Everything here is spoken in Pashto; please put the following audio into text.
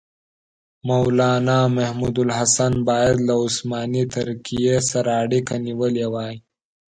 مولنا محمودالحسن باید له عثماني ترکیې سره اړیکه نیولې وای.